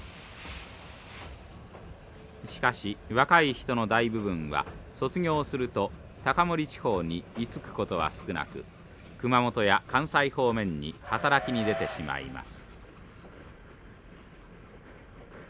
しかし若い人の大部分は卒業すると高森地方に居つくことは少なく熊本や関西方面に働きに出てしまいます。